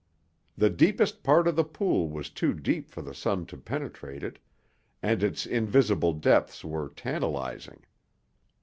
The deepest part of the pool was too deep for the sun to penetrate it, and its invisible depths were tantalizing.